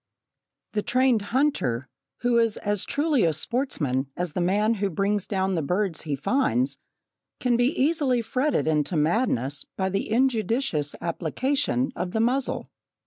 The trained hunter, who is as truly a sportsman as the man who brings down the birds he finds, can be easily fretted into madness by the injudicious application of the muzzle.